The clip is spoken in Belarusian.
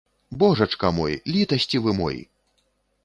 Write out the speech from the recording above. Божачка мой, літасцівы мой!